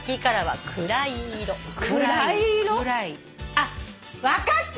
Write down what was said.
あっ分かった！